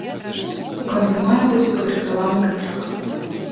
У канцы мая будзе падрыхтаваны кантракт.